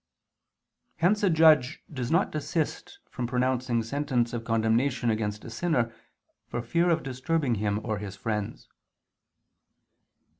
Hence a judge does not desist from pronouncing sentence of condemnation against a sinner, for fear of disturbing him or his friends.